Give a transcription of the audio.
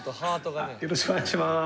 よろしくお願いします。